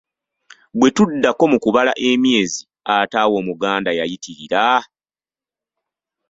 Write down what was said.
"Bwe tuddako mu kubala emyezi, ate awo Omuganda yayitirira!"